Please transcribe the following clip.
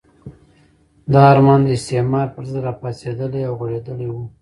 دا ارمان د استعمار پرضد راپاڅېدلی او غوړېدلی وو.